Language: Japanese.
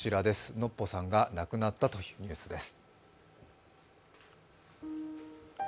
ノッポさんが亡くなったというニュースです。